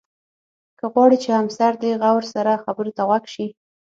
که غواړې چې همسر دې غور سره خبرو ته غوږ شي.